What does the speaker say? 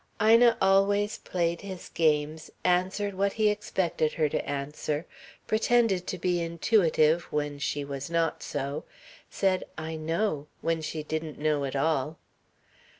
Ina always played his games, answered what he expected her to answer, pretended to be intuitive when she was not so, said "I know" when she didn't know at all.